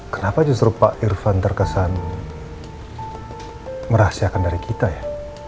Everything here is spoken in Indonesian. kenapa justru pak irfan terkesan merahasiakan dari kita ya